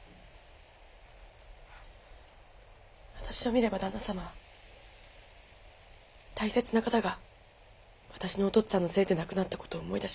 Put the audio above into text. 私を見れば旦那様は大切な方が私のお父っつぁんのせいで亡くなった事を思い出します。